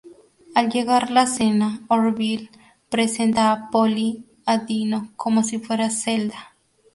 Al llegar la cena, Orville presenta a Polly a Dino como si fuera Zelda.